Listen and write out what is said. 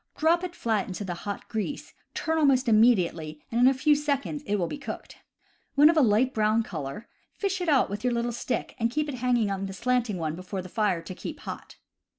Drop it flat into the hot grease, turn al most immediately, and in a few seconds it will b^ cooked. When of a light brown color, fish it out with your little stick and hang it on the slanting one before the fire to keep hot.